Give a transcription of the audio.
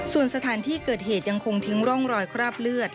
ส่วนสถานที่เกิดเหตุยังคงทิ้งร่องรอยคราบเลือด